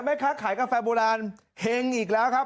แม่ค้าขายกาแฟโบราณเฮงอีกแล้วครับ